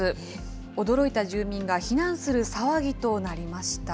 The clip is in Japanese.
驚いた住民が避難する騒ぎとなりました。